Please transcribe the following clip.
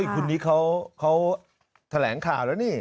คุณนี้เขาแถลงข่าวแล้วนี่